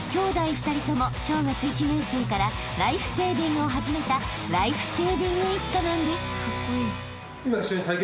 ２人とも小学１年生からライフセービングを始めたライフセービング一家なんです］